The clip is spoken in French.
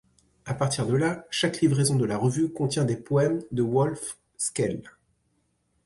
À partir de là, chaque livraison de la revue contient des poèmes de Wolfskehl.